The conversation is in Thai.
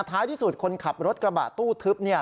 ท้ายที่สุดคนขับรถกระบะตู้ทึบ